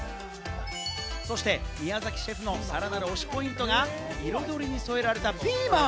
そして宮崎シェフのさらなる推しポイントが、彩りに添えられたピーマン。